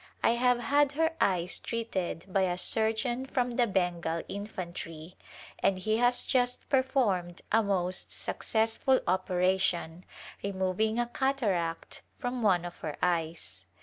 I have had her eyes treated by a surgeon from the Bengal Infantry, and he has just performed a most successful operation, removing a cataract from one of her eyes.